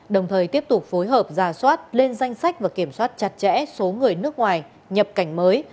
đồng thời tiếp tục phối hợp giả soát lên danh sách và kiểm soát chặt chẽ số người nước ngoài nhập cảnh mới